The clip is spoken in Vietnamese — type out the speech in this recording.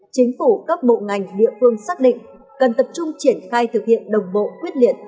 chính phủ các bộ ngành địa phương xác định cần tập trung triển khai thực hiện đồng bộ quyết liệt